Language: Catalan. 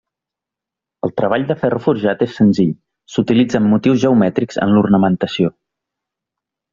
El treball del ferro forjat és senzill; s'utilitzen motius geomètrics en l'ornamentació.